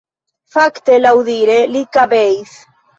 Fakte, laŭdire, li kabeis.